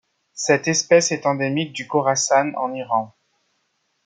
Cette espèce est endémique du Khorassan en Iran.